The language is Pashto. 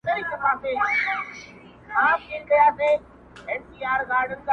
o گوره اوښكي به در تـــوى كـــــــــړم.